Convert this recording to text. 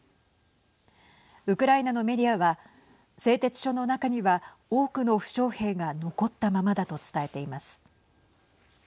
ウクライナのメディアは製鉄所の中には多くの負傷兵が残ったままだと伝えています。